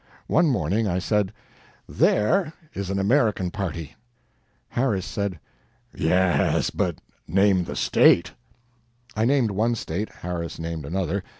One morning I said: "There is an American party." Harris said: "Yes but name the state." I named one state, Harris named another.